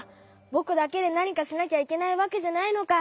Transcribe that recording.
ぼくだけでなにかしなきゃいけないわけじゃないのか。